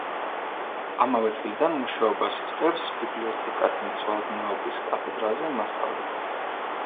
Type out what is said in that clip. ამავე წლიდან მუშაობას იწყებს ბიბლიოთეკათმცოდნეობის კათედრაზე მასწავლებლად.